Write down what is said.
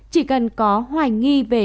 chỉ cần có hoài nghi về